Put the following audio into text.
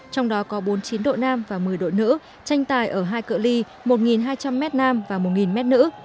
trong đó có bốn mươi chín đội nam và một mươi đội nữ tranh tài ở hai cự li một hai trăm linh m nam và một m nữ